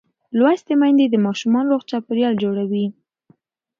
لوستې میندې د ماشوم روغ چاپېریال جوړوي.